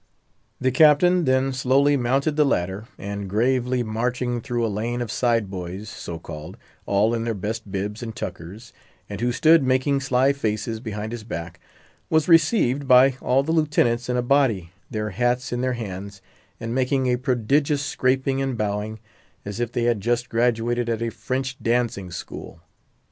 The Captain then slowly mounted the ladder, and gravely marching through a lane of "side boys," so called—all in their best bibs and tuckers, and who stood making sly faces behind his back—was received by all the Lieutenants in a body, their hats in their hands, and making a prodigious scraping and bowing, as if they had just graduated at a French dancing school.